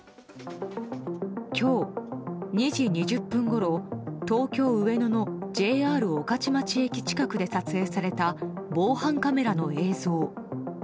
今日２時２０分ごろ東京・上野のＪＲ御徒町駅近くで撮影された防犯カメラの映像。